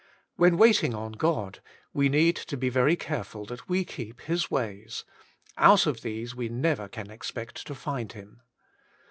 When wait ing on God, we need to be very careful that we keep His ways ; out of these we never can ex pect to find Him.